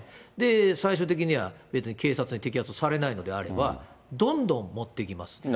最終的には別に警察に摘発されないのであれば、どんどん持っていきます。